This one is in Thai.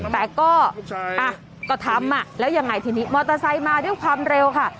แต่ก็ทำแล้วยังไงทีนี้มอเตอร์ไซค์มาด้วยความเร็วค่ะ